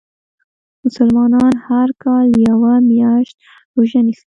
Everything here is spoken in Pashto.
مسلمانان هر کال یوه میاشت روژه نیسي .